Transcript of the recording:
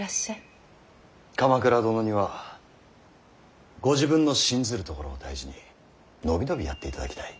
鎌倉殿にはご自分の信ずるところを大事に伸び伸びやっていただきたい。